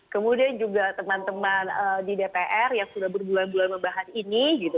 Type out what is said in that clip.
kemudian juga teman teman di dpr yang sudah berbulan bulan membahas ini gitu